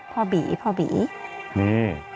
พ่อบีพ่อบี